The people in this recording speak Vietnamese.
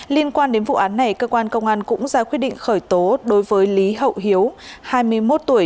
liên quan đến vụ án này cơ quan công an cũng ra quyết định khởi tố đối với lý hậu hiếu hai mươi một tuổi